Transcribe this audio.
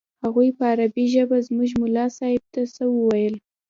هغوى په عربي ژبه زموږ ملا صاحب ته څه وويل.